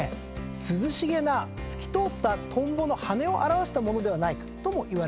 涼しげな透き通ったトンボの羽を表したものではないかともいわれています。